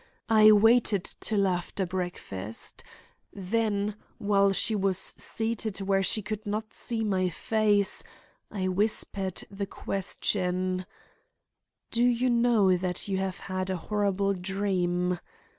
I waited till after breakfast. Then, while she was seated where she could not see my face, I whispered the question: 'Do you know that you have had a horrible dream?